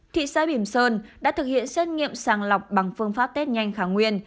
thị xã bìm sơn đã thực hiện xét nghiệm sàng lọc bằng phương pháp test nhanh khả nguyên